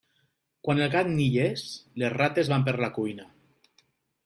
Quan el gat ni hi és, les rates van per la cuina.